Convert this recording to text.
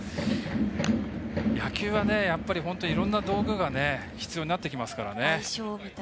野球は本当にいろんな道具必要になってきますからね。